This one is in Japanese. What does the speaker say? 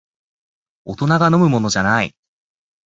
大人が飲むものじゃない